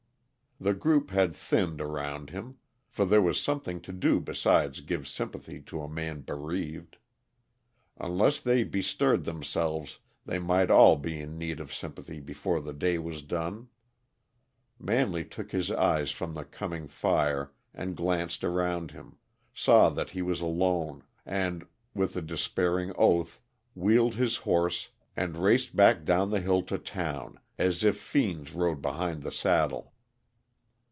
The group had thinned around him, for there was something to do besides give sympathy to a man bereaved. Unless they bestirred themselves, they might all be in need of sympathy before the day was done. Manley took his eyes from the coming fire and glanced around him, saw that he was alone, and, with a despairing oath, wheeled his horse and raced back down the hill to town, as if fiends rode behind the saddle.